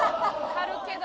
貼るけど。